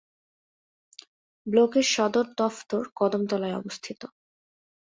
ব্লকের সদর দফতর কদমতলায় অবস্থিত।